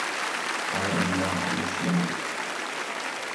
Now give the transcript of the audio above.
I am not a machine.